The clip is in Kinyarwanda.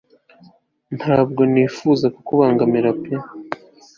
ntabwo nipfuza kukubangamira pe